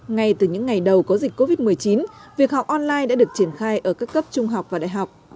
ngay từ những ngày đầu có dịch covid một mươi chín việc học online đã được triển khai ở các cấp trung học và đại học